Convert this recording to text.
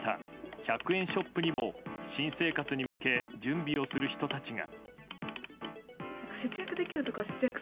１００円ショップにも新生活に向け準備をする人たちが。